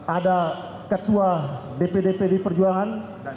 ada ketua dpd pd perjuangan